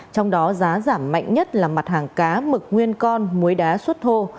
trong đó giá giảm mạnh nhất là mặt hàng cá mực nguyên con muối đá xuất thô